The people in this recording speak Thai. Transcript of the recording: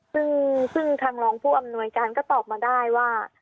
ซึ่งทางรองผู้อำนวยการก็ตอบมาได้ว่า